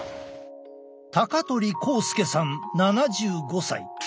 高鳥浩介さん７５歳。